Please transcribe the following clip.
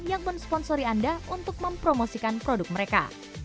yang mensponsori anda untuk mempromosikan produk mereka